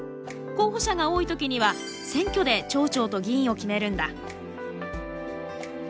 候補者が多い時には選挙で町長と議員を決めるんだ。